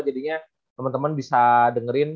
jadinya teman teman bisa dengerin